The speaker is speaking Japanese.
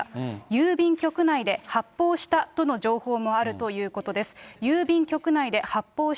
郵便局内で発砲したとの情報もあるということです。